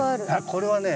これはね